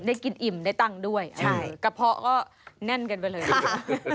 ได้กินอิ่มได้ตังค์ด้วยใช่กระเพาะก็แน่นกันไปเลยนะคะ